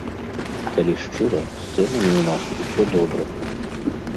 Калі шчыра, з цэнамі ў нас усё добра.